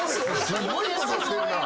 すごいことしてんな。